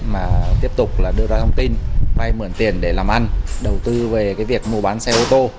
mà tiếp tục là đưa ra thông tin vay mượn tiền để làm ăn đầu tư về cái việc mua bán xe ô tô